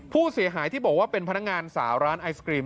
ผู้เสียหายที่บอกว่าเป็นพนักงานสาวร้านไอศกรีม